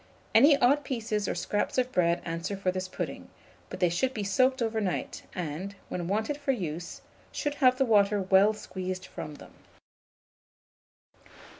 Any odd pieces or scraps of bread answer for this pudding; but they should be soaked overnight, and, when wanted for use, should have the water well squeezed from them.